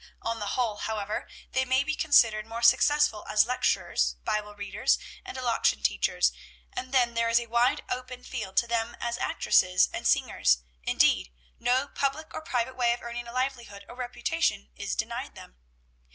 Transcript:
On the whole, however, they may be considered more successful as lecturers, Bible readers, and elocution teachers; and then there is a wide open field to them as actresses and singers; indeed, no public or private way of earning a livelihood or a reputation is denied them.